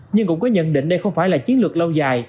nhưng cũng có nhận định đây không phải là chiến lược lâu dài